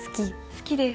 好きです。